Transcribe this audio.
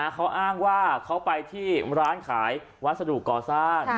เขาอ้างว่าเขาไปที่ร้านขายวัสดุก่อสร้าง